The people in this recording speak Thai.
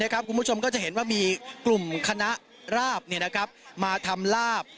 คุณผู้ชมก็จะเห็นว่ามีกลุ่มคณะราบมาทำลาบ